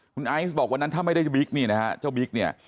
คุณไอจ์บอกวันนั้นถ้าไม่ได้บิ๊กนี่